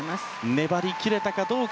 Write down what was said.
粘り切れたかどうか。